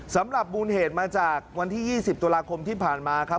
สำหรับมูลเหตุมาจากวันที่๒๐ตุลาคมที่ผ่านมาครับ